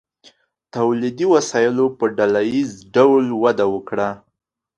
تولیدي وسایلو په ډله ایز ډول وده وکړه.